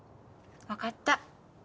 分かった。